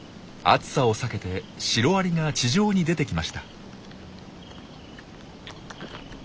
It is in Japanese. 暑さを避けてシロアリが地上に出てきました。